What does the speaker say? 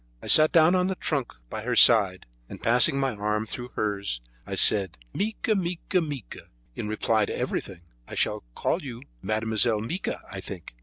I sat down on the trunk by her side, and passing my arm through hers, I said: "Mica! mica! mica! in reply to everything. I shall call you Mademoiselle Mica, I think."